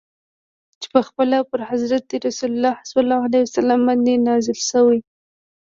چي پخپله پر حضرت رسول ص باندي نازل سوی.